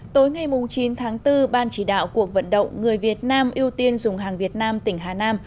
tối ngày chín tháng bốn ban chỉ đạo cuộc vận động người việt nam ưu tiên dùng hàng việt nam tỉnh hà nam